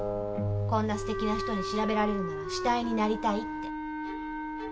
こんな素敵な人に調べられるなら死体になりたいって。